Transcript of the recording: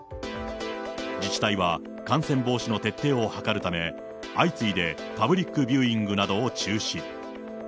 自治体は感染防止の徹底を図るため、相次いでパブリックビューイングなどを中止。